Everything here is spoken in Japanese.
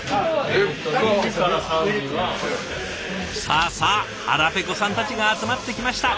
さあさあ腹ペコさんたちが集まってきました。